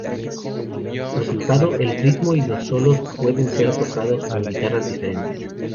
Como resultado, el ritmo y los solos pueden ser tocados con guitarras diferentes.